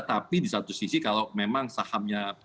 tapi di satu sisi kalau memang sahamnya